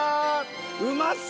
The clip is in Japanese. うまそう！